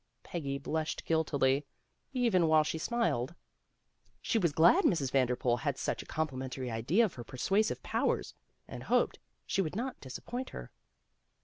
Peggy blushed guiltily, even while she smiled. She was glad Mrs. Vanderpool had such a com plimentary idea of her persuasive powers and hoped she would not disappoint her.